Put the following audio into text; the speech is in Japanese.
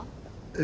え？